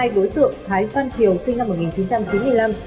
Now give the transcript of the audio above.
hai đối tượng thái văn triều sinh năm một nghìn chín trăm chín mươi năm